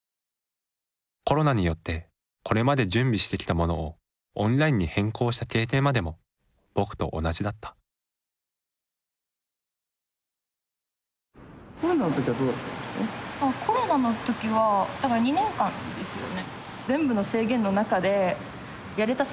コロナによってこれまで準備してきたものをオンラインに変更した経験までも僕と同じだった。とは思ってますけど。